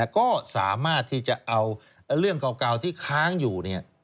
ก็สามารถที่จะเอาเรื่องเก่าที่ค้างอยู่